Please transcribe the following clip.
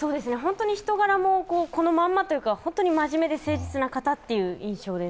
人柄もこのまんまというか、本当に真面目で誠実な方という印象です。